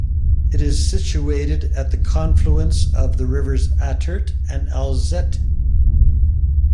It is situated at the confluence of the rivers Attert and Alzette.